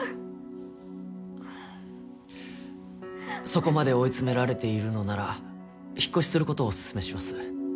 そこまで追い詰められているのなら引っ越しすることをお勧めします。